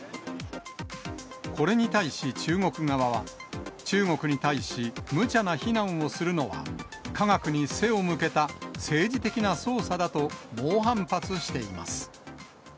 これに対し、中国側は、中国に対し、むちゃな非難をするのは科学に背を向けた政治的な操作だと猛反発しています。